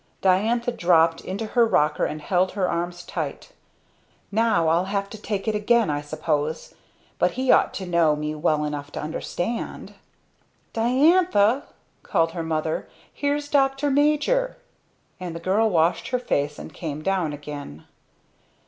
Diantha dropped into her rocker and held the arms tight. "Now I'll have to take it again I suppose. But he ought to know me well enough to understand." "Diantha!" called her mother, "Here's Dr. Major;" and the girl washed her face and came down again.